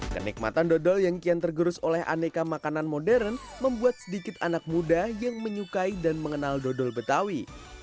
kenikmatan dodol yang kian tergerus oleh aneka makanan modern membuat sedikit anak muda yang menyukai dan mengenal dodol betawi